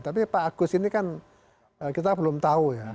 tapi pak agus ini kan kita belum tahu ya